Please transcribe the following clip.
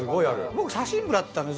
僕、写真部だったんです。